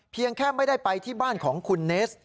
แค่ไม่ได้ไปที่บ้านของคุณเนส